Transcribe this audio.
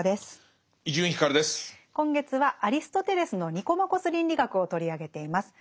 今月はアリストテレスの「ニコマコス倫理学」を取り上げています。